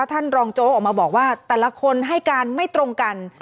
ท่านรองโจ๊กออกมาบอกว่าแต่ละคนให้การไม่ตรงกัน